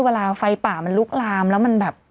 เวลาไฟป่ามันลุกลามแล้วมันแบบ